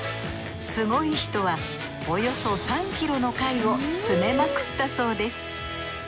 すごい人はおよそ３ｋｇの貝を詰めまくったそうです